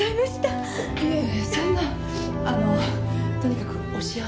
いえそんなあのとにかくお幸せに。